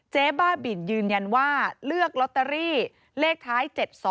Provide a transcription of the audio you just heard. บ้าบินยืนยันว่าเลือกลอตเตอรี่เลขท้าย๗๒